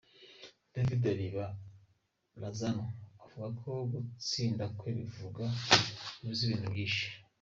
David Riba Lozano avuga ko gutsinda kwe bivuze ibintu byinshi.